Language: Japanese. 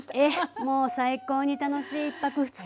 もう最高に楽しい１泊２日。